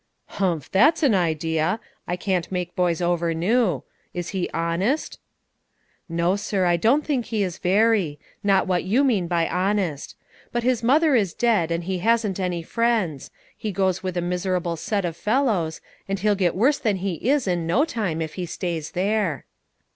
"Humph! that's an idea. I can't make boys over new. Is he honest?" "No, sir, I don't think he is very, not what you mean by honest; but his mother is dead, and he hasn't any friends; he goes with a miserable set of fellows, and he'll get worse than he is in no time if he stays there."